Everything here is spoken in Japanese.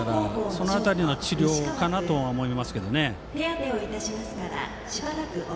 その辺りの治療かなと思いますが。